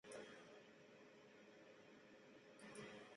Se encuentra cerca de la orilla noroeste del lago Müritz, el mayor de Alemania.